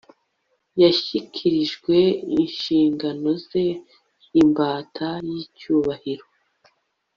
yashyikirijwe inshingano ze, imbata yicyubahiro